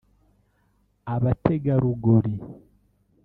abategarugori